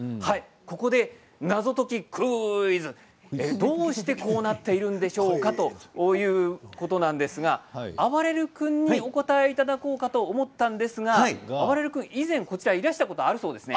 ここで謎解きクイズどうしてこうなっているんでしょうかということですがあばれる君にお答えいただこうと思ったんですがあばれる君は依然こちらにいらしたことがあるそうですね。